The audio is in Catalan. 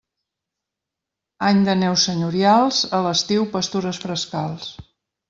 Any de neus senyorials, a l'estiu pastures frescals.